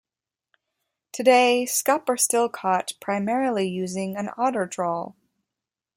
Today, scup are still caught primarily using an otter trawl.